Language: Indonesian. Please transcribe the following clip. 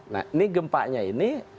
nah ini gempa nya ini